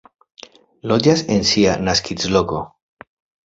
Loĝas en sia naskiĝloko.